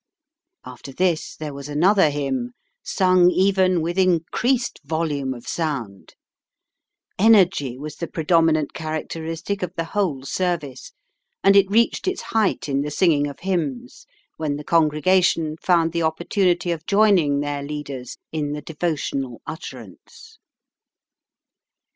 After this there was another hymn, sung even with increased volume of sound. Energy was the predominant characteristic of the whole service, and it reached its height in the singing of hymns, when the congregation found the opportunity of joining their leaders in the devotional utterance.